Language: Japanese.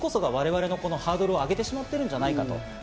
この漢字こそが我々のハードルを上げてしまっているんじゃないかと。